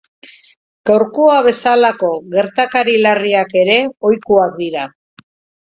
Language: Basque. Gaurkoa bezalako gertakari larriak ere ohikoak dira.